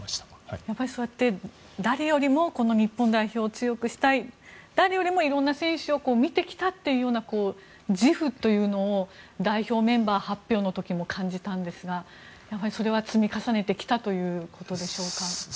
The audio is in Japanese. やっぱりそうやって誰よりもこの日本代表を強くしたい誰よりも色んな選手を見てきたという自負というのを代表メンバー発表の時も感じたんですがそれは積み重ねてきたということでしょうか。